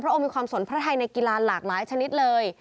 องค์มีความสนพระไทยในกีฬาหลากหลายชนิดเลย